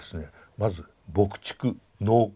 まず牧畜農耕